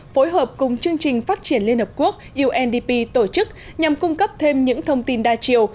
phối hợp cùng chương trình phát triển liên hợp quốc undp tổ chức nhằm cung cấp thêm những thông tin đa chiều